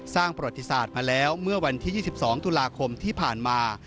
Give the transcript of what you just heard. ประวัติศาสตร์มาแล้วเมื่อวันที่๒๒ตุลาคมที่ผ่านมา